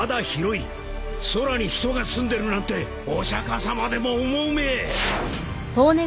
［空に人が住んでるなんてお釈迦様でも思うめえ！］